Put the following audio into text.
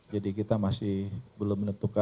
jadi kita masih belum menentukan